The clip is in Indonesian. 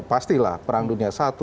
pasti lah perang dunia satu